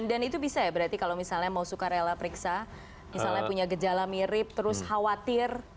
dan itu bisa ya berarti kalau misalnya mau sukarela periksa misalnya punya gejala mirip terus khawatir